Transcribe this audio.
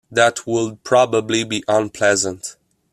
That would probably be unpleasant.